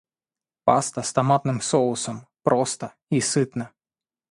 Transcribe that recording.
Паста с томатным соусом - просто и сытно.